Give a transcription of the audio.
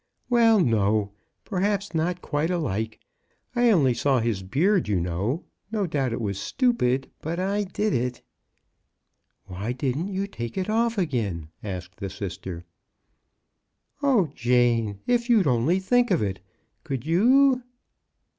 Well, no; perhaps not quite alike. I only saw his beard, you know. No doubt it was stupid, but I did it." "Why didn't you take it off again?" asked the sister. " O Jane, if you'd only think of it ! Could you